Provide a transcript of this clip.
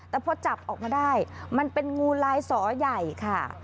แต่พอจับออกมาได้มันเป็นงูลายสอใหญ่ค่ะ